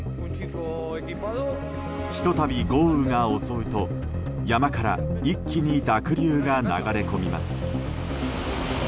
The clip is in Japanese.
ひと度、豪雨が襲うと山から一気に濁流が流れ込みます。